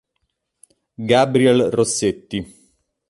Gabriel Rossetti